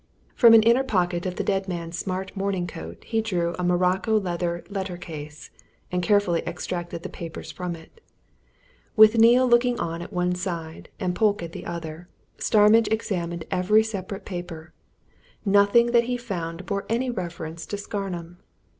From an inner pocket of the dead man's smart morning coat, he drew a morocco leather letter case, and carefully extracted the papers from it. With Neale looking on at one side, and Polke at the other, Starmidge examined every separate paper. Nothing that he found bore any reference to Scarnham.